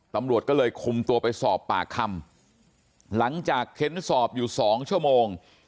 ตำรวจก็เลยคุมตัวไปสอบปากคำหลังจากเค้นสอบอยู่๒ชั่วโมง